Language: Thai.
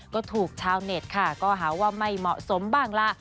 ก็ถูกชาวเน็ตค่ะก็หาว่าไม่เหมาะสมบ้างล่ะ